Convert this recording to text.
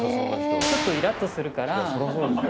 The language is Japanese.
ちょっとイラッとするから。